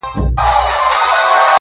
نه مي قهوې بې خوبي يو وړه نه ترخو شرابو.